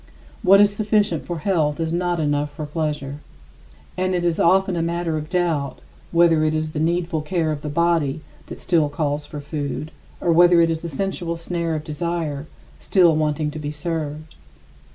What is sufficient for health is not enough for pleasure. And it is often a matter of doubt whether it is the needful care of the body that still calls for food or whether it is the sensual snare of desire still wanting to be served.